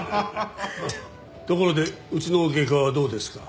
ところでうちの外科はどうですか？